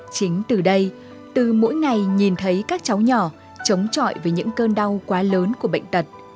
chính từ đây từ mỗi ngày nhìn thấy các cháu nhỏ chống chọi với những cơn đau quá lớn của bệnh tật